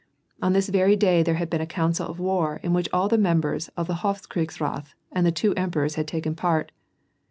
On this very day there had been a council of war in which all the members of the Hofkriegsrath and the two emperors had taken part.